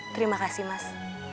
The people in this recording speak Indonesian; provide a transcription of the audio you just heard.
terima kasih mas